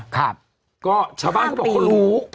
ก็เช้าบ้านเขาบอกว่าเขารู้